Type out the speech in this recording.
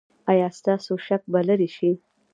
ایا ستاسو شک به لرې شي؟